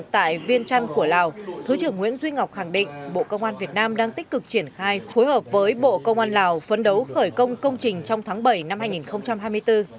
thứ trưởng nguyễn duy ngọc khẳng định bộ công an việt nam đang tích cực triển khai phối hợp với bộ công an lào phấn đấu khởi công công trình trong tháng bảy năm hai nghìn hai mươi bốn